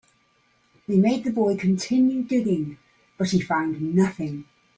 They made the boy continue digging, but he found nothing.